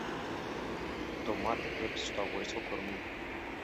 Το μάτι του έπεσε στο αγορίστικο κορμί